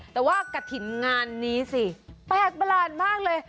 แต่ว่ากระถิ่นงานนี้สิแปลกประหลาดมากเลย